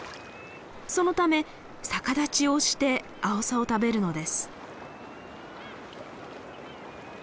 そのため逆立ちをしてアオサを食べるのです。